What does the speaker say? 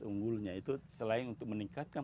unggulnya itu selain untuk meningkatkan